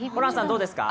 どうですか？